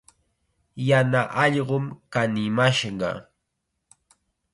Yana allqum kanimashqa.